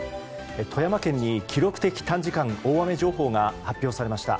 富山県に記録的短時間大雨情報が発表されました。